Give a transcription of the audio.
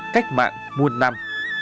cách mạng muôn năm